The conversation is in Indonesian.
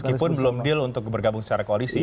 meskipun belum deal untuk bergabung secara koalisi